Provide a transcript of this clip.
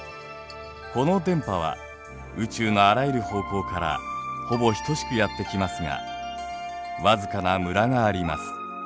この電波は宇宙のあらゆる方向からほぼ等しくやって来ますがわずかなムラがあります。